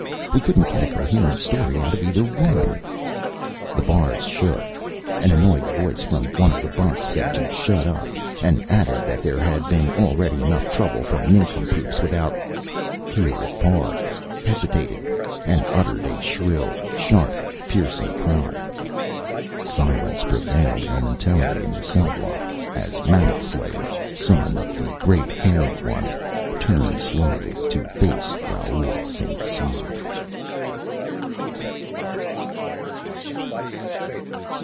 We couldn't get a coherent story out of either one." The bars shook. An annoyed voice from one of the bunks said to shut up, and added that there had been already enough trouble from nincompoops without here it paused, hesitated, and uttered a shrill, sharp, piercing cry. Silence prevailed, momentarily, in the cell block as Mammoth Slayer, son of the Great Hairy One, turned slowly to face Raoul St. Cyr.